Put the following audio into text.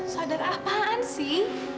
sadar apaan sih